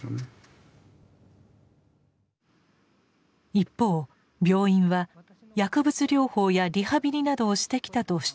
一方病院は薬物療法やリハビリなどをしてきたと主張しています。